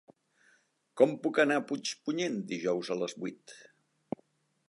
Com puc anar a Puigpunyent dijous a les vuit?